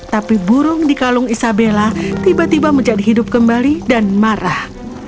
tapi burung di kalung isabella tiba tiba menjadi hidup kembali dan marah